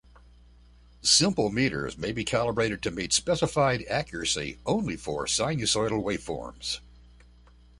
Simple meters may be calibrated to meet specified accuracy only for sinusoidal waveforms.